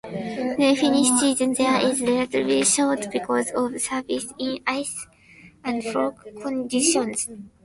The fishing season there is relatively short because of severe ice and fog conditions.